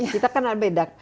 kita kan ada beda